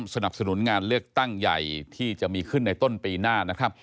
สนับสนุนงานเลือกตั้งใหญ่ที่จะมีขึ้นในต้นปีหน้านะครับ